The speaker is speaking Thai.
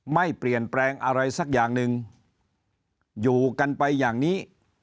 ไม่เปลี่ยนแปลงอะไรสักอย่างหนึ่งอยู่กันไปอย่างนี้